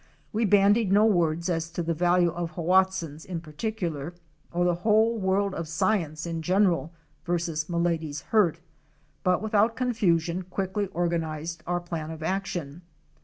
We bandied no words as to the value of Hoatzins in particular, or the whole world of science in general, versus Milady's hurt, but without confusion quickly organized our plan of action.